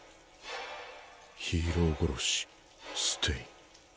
ヒーロー殺しステイン。